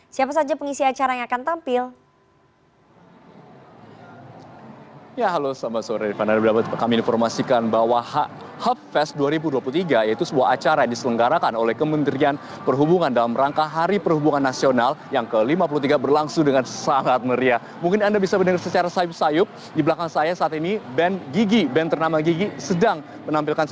siapa saja pengisi acara yang akan tampil